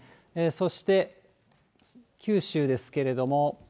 そして九州ですけれども。